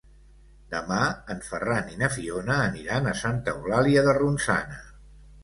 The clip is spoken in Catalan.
Demà en Ferran i na Fiona aniran a Santa Eulàlia de Ronçana.